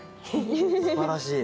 すばらしい。